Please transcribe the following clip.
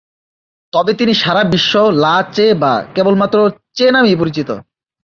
তবে তিনি সারা বিশ্ব লা চে বা কেবলমাত্র চে নামেই পরিচিত।